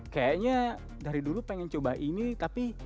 kayaknya dari dulu pengen coba ini tapi